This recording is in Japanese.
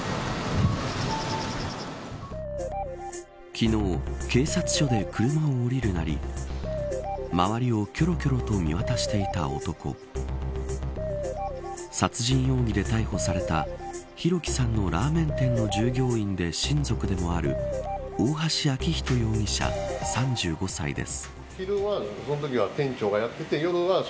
昨日、警察署で車を降りるなり周りをきょろきょろと見渡していた男殺人容疑で逮捕された弘輝さんのラーメン店の従業員で親族でもある大橋昭仁容疑者３５歳です。